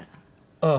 ああ。